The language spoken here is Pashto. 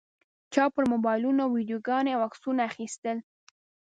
چا پر موبایلونو ویډیوګانې او عکسونه اخیستل.